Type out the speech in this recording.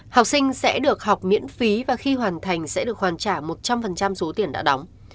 học sinh sẽ được học miễn phí và khi hoàn thành sẽ được hoàn trả một trăm linh số tiền đã đóng